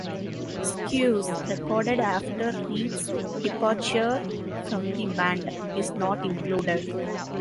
"Squeeze", recorded after Reed's departure from the band, is not included.